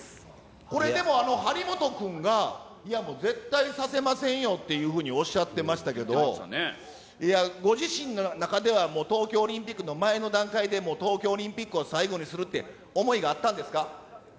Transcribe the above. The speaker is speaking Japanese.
これでも、張本君が、いやもう絶対させませんよっていうふうにおっしゃってましたけど、いや、ご自身の中では、もう東京オリンピックの前の段階で、東京オリンピックを最後にするって想いがあったんですか？